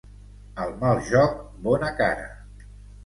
A mal joc, bona cara.